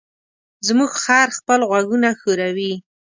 زموږ خر خپل غوږونه ښوروي.